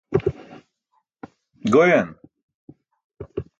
goyan